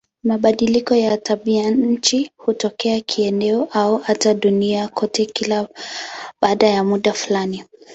Mabadiliko ya tabianchi hutokea kieneo au hata duniani kote kila baada ya muda fulani.